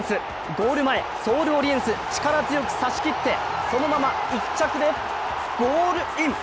ゴール前、ソールオリエンス、力強く差し切って、そのまま１着でゴールイン。